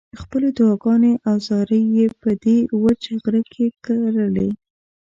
خپلې دعاګانې او زارۍ یې په دې وچ غره کې کرلې.